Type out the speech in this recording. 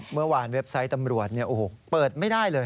เมื่อวานเว็บไซต์ตำรวจเปิดไม่ได้เลย